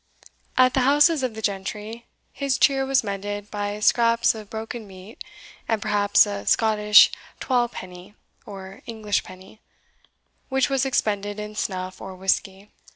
At the houses of the gentry, his cheer was mended by scraps of broken meat, and perhaps a Scottish "twalpenny," or English penny, which was expended in snuff or whiskey.